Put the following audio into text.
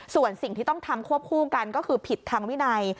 ส่วนสิ่งที่ต้องทำควบคู่กันก็คือผิดทางวินัย